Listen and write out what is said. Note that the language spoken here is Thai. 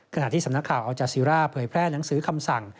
ขณะที่สำนักข่าวอัลจาซีร่าเผยแพร่หนังสือคำสั่ง